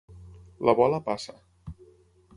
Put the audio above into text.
La bola passa.